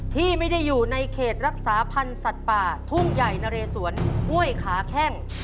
ที่ไม่ได้อยู่ในเขตรักษาพันธ์สัตว์ป่าทุ่งใหญ่นะเรสวนห้วยขาแข้ง